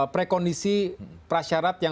prekondisi prasyarat yang